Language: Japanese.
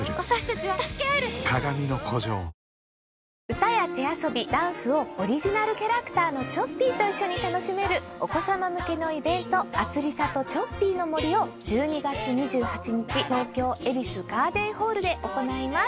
歌や手遊び、ダンスをオリジナルキャラクターのチョッピーと一緒に楽しめる、お子様向けのイベント、あつりさとチョッピーの森を、１２月２８日、東京・恵比寿ガーデンホールで行います。